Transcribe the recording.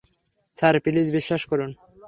Sir, please বিশ্বাস করুন।